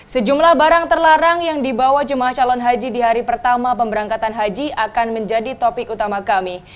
sejumlah barang terlarang yang dibawa jemaah calon haji di hari pertama pemberangkatan haji akan menjadi topik utama kami